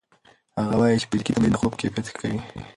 هغه وايي چې فزیکي تمرین د خوب کیفیت ښه کوي.